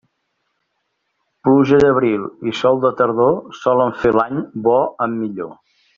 Pluja d'abril i sol de tardor solen fer l'any bo en millor.